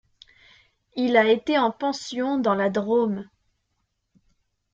Il a été en pension dans la Drôme.